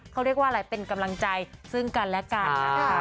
เขาเรียกว่าอะไรเป็นกำลังใจซึ่งกันและกันนะคะ